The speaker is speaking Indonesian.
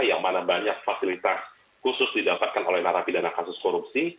yang mana banyak fasilitas khusus didapatkan oleh narapidana kasus korupsi